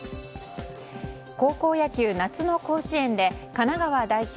高校野球、夏の甲子園で神奈川代表